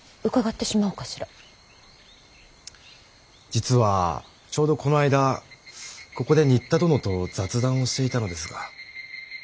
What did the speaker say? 実はちょうどこの間ここで仁田殿と雑談をしていたのですが。